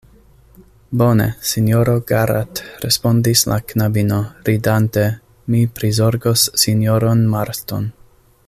Bone, sinjoro Garrat, respondis la knabino, ridante, mi prizorgos sinjoron Marston.